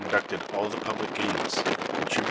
ducted all the public games, contribute